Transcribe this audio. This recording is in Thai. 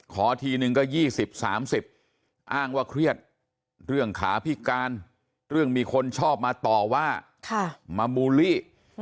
ทีนึงก็๒๐๓๐อ้างว่าเครียดเรื่องขาพิการเรื่องมีคนชอบมาต่อว่ามาบูลลี่